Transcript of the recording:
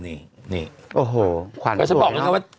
นี่นี่โอ้โหขวัญแต่ฉันบอกนะครับว่า